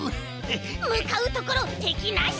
むかうところてきなし！